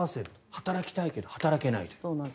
働きたいけど働けないという。